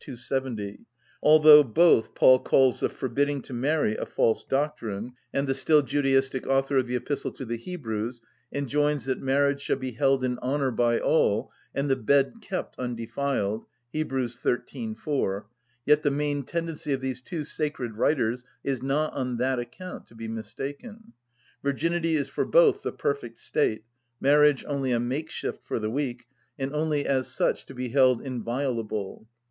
270: "Although both Paul calls the forbidding to marry a false doctrine, and the still Judaistic author of the Epistle to the Hebrews enjoins that marriage shall be held in honour by all, and the bed kept undefiled (Heb. xiii 4), yet the main tendency of these two sacred writers is not on that account to be mistaken. Virginity is for both the perfect state, marriage only a make‐shift for the weak, and only as such to be held inviolable.